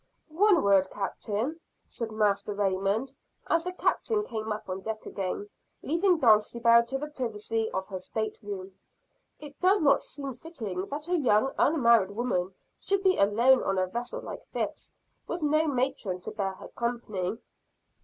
"One word, Captain," said Master Raymond, as the Captain came up on deck again, leaving Dulcibel to the privacy of her state room. "It does not seem fitting that a young unmarried woman should be alone on a vessel like this, with no matron to bear her company."